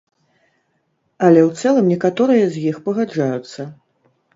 Але ў цэлым некаторыя з іх пагаджаюцца.